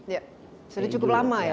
ya sudah cukup lama ya